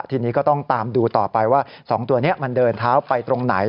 ทีนี้ก็ต้องตามดูต่อไปว่า๒ตัวนี้มันเดินเท้าไปตรงไหน